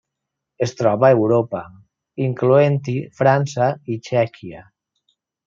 Es troba a Europa, incloent-hi França i Txèquia.